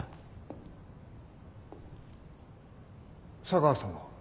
茶川さんは？